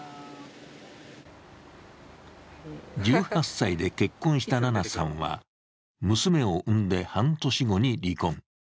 １８歳で結婚したななさんは、娘を産んで半年後に離婚。